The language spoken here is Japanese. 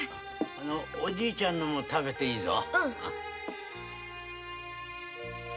おじいちゃんのも食べていいぞ。